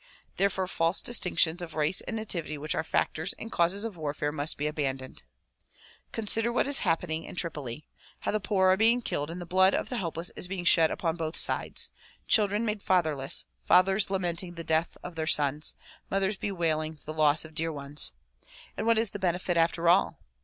Therefore false distinctions of race and nativity which are factors and causes of warfare must be abandoned. Consider what is happening in Tripoli ; how the poor are being killed and the blood of the helpless is being shed upon both sides ; children made fatherless, fathers lamenting the death of their sons, DISCOURSES DELIVERED IN NEW YORK 115 mothers bewailing the loss of dear ones. And what is the benefit after all?